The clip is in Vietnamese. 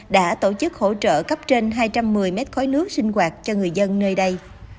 đã tổ chức hỗ trợ cấp trên hai trăm một mươi mét khói nước sinh hoạt cho người dân nơi đây